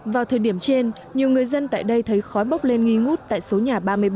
vào thời điểm trên nhiều người dân tại đây thấy khói bốc lên nghi ngút tại số nhà ba mươi bảy